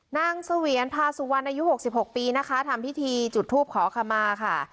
นางสุเวียนพาสุวรรณอายุหกสิบหกปีนะคะทำพิธีจุดทูปขอคำมาค่ะ